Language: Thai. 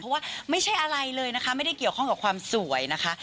เพราะว่าไม่ใช่อะไรเลยนะคะไม่ได้เกี่ยวข้องกับความสวยนะคะ